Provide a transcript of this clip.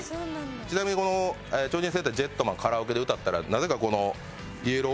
ちなみにこの『鳥人戦隊ジェットマン』をカラオケで歌ったらなぜかこの。